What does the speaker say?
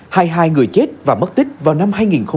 hai hai người chết và mất tích vào năm hai nghìn hai mươi